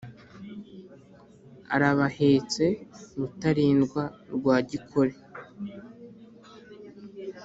Arabahetse Rutarindwa, rwa Gikore